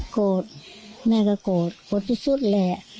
โกรธแม่ก็โกรธโกรธที่สุดแหละ